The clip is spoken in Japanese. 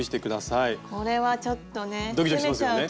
これはちょっとね。